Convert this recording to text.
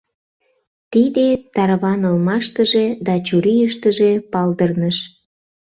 Тиде тарванылмаштыже да чурийыштыже палдырныш.